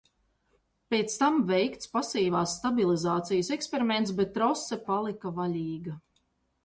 Pēc tam veikts pasīvās stabilizācijas eksperiments, bet trose palika vaļīga.